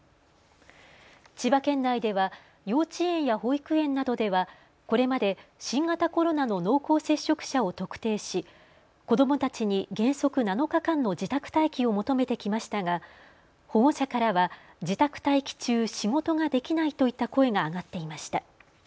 千葉県内では、幼稚園や保育園などではこれまで新型コロナの濃厚接触者を特定し子どもたちに原則７日間の自宅待機を求めてきましたが保護者からは自宅待機中、仕事ができないといった声が上がっていました。